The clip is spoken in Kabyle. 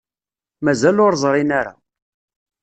Mazal ur ẓṛin ara.